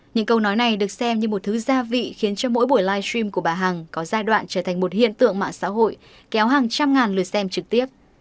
những câu nói này được xem như một thứ gia vị khiến cho mỗi buổi live stream của bà hằng có giai đoạn trở thành một hiện tượng mạng xã hội kéo hàng trăm ngàn lượt xem trực tiếp